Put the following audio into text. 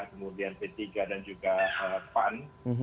kemudian p tiga dan juga pan